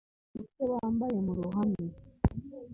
uburyo bambaye mu ruhame,